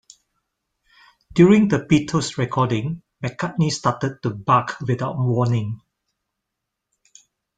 During the Beatles recording, McCartney started to bark without warning.